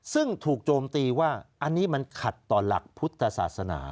ซึ่งถูกโจมตีว่าอันนี้มันขัดต่อหลักพุทธศาสนา